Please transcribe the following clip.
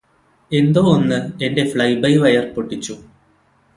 എന്തോ ഒന്ന് എന്റെ ഫ്ലൈബൈവയർ പൊട്ടിച്ചു